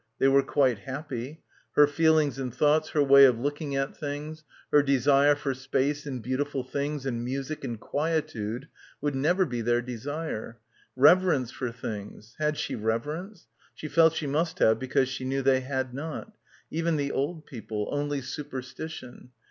They were quite happy. Her feelings and thoughts, her way of looking at things, her desire for space and beau tiful things and music and quietude would never be their desire. Reverence for things — had she reverence? She felt she must have because she knew they had not; even the old people; only superstition